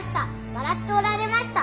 笑っておられました。